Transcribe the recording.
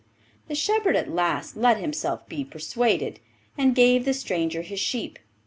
The shepherd at last let himself be persuaded, and gave the stranger his sheep.